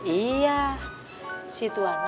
iya si tuan